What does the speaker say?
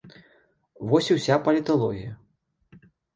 Вось і ўся паліталогія.